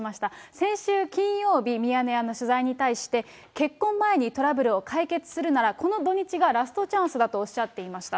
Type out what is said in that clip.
先週金曜日、ミヤネ屋の取材に対して、結婚前にトラブルを解決するならこの土日がラストチャンスだとおっしゃっていました。